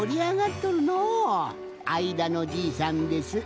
あいだのじいさんです。